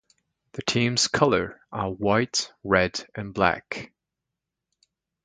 The team's colors are white, red and black.